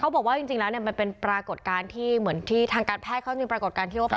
บอกว่าจริงแล้วเนี่ยมันเป็นปรากฏการณ์ที่เหมือนที่ทางการแพทย์เขามีปรากฏการณ์ที่ว่า